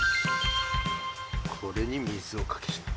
これに水をかける。